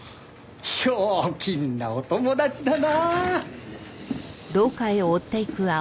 ひょうきんなお友達だな！